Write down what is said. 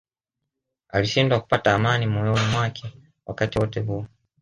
Alishindwa kupata amani moyoni mwake wakati wote huo